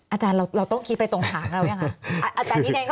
อาจารย์เราต้องคิดไปตรงหางเรายังไง